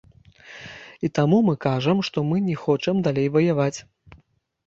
І таму мы кажам, што мы не хочам далей ваяваць.